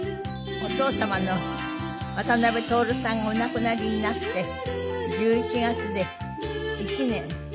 お父様の渡辺徹さんがお亡くなりになって１１月で１年。